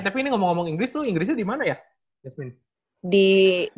eh tapi ini ngomong ngomong inggris tuh inggrisnya dimana ya jasmine